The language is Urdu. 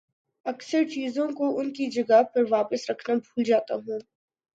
اکثر چیزوں کو ان کی جگہ پر واپس رکھنا بھول جاتا ہوں